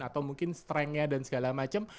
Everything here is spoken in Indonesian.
atau mungkin strengnya dan segala macem